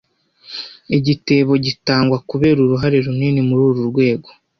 Igihembo gitangwa kubera uruhare runini muri uru rwego